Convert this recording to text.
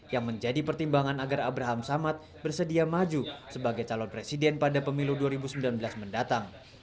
yang menjadi pertimbangan agar abraham samad bersedia maju sebagai calon presiden pada pemilu dua ribu sembilan belas mendatang